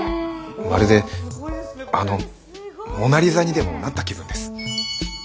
まるであのモナ・リザにでもなった気分です。